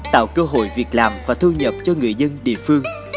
tạo cơ hội việc làm và thu nhập cho người dân địa phương